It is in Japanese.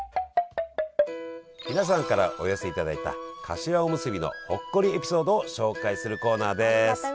皆さんからお寄せいただいたかしわおむすびのほっこりエピソードを紹介するコーナーです！